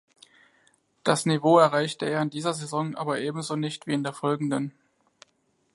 Das Niveau erreichte er in dieser Saison aber ebenso nicht wie in der folgenden.